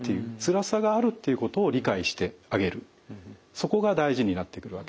そこが大事になってくるわけです。